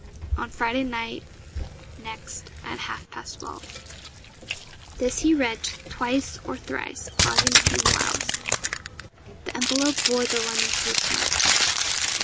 'On Friday night, next, at half past twelve.' This he read twice or thrice, pausing between whiles. The envelope bore the London postmark.